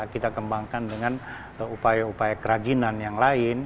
kita kembangkan dengan upaya upaya kerajinan yang lain